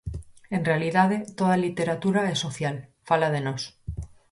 En realidade, toda a literatura é social, fala de nós.